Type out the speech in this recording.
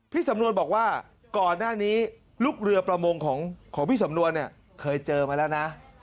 สำนวนบอกว่าก่อนหน้านี้ลูกเรือประมงของพี่สำนวนเนี่ยเคยเจอมาแล้วนะ